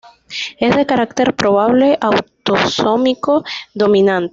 Es de carácter probable autosómico dominante.